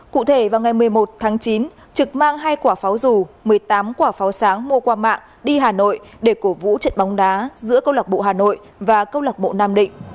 cụ thể vào ngày một mươi một tháng chín trực mang hai quả pháo dù một mươi tám quả pháo sáng mua qua mạng đi hà nội để cổ vũ trận bóng đá giữa câu lạc bộ hà nội và câu lạc bộ nam định